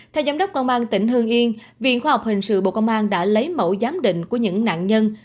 theo giám đốc công an tỉnh hương yên viện khoa học hình sự bộ công an đã lấy mẫu giám định của những nạn nhân